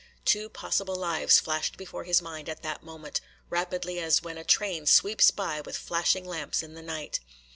Two possible lives flashed before his mind at that moment, rapidly as when a train sweeps by with flashing lamps in the night.